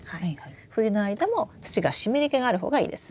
冬の間も土が湿り気がある方がいいです。